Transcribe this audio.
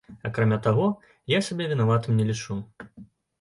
Акрамя таго, я сябе вінаватым не лічу.